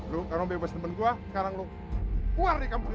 lo kalau mau bebas temen gue sekarang lo keluar dari kampung ini